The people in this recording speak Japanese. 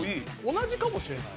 同じかもしれない。